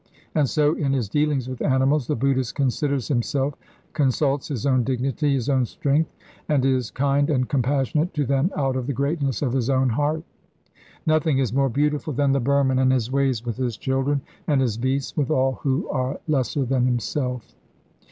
And so in his dealings with animals the Buddhist considers himself, consults his own dignity, his own strength, and is kind and compassionate to them out of the greatness of his own heart. Nothing is more beautiful than the Burman in his ways with his children, and his beasts, with all who are lesser than himself.